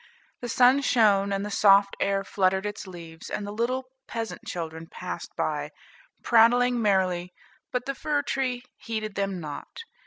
The sun shone, and the soft air fluttered its leaves, and the little peasant children passed by, prattling merrily, but the fir tree heeded them not.